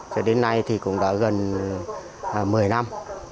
cho đến nay cũng đã gần một mươi năm